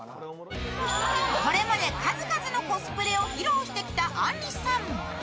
これまで数々のコスプレを披露してきたあんりさん。